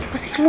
aduh kecil lu